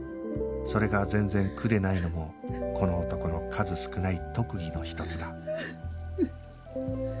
それが全然苦でないのもこの男の数少ない特技の一つだ